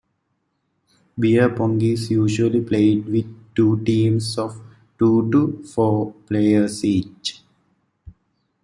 Beer pong is usually played with two teams of two to four players each.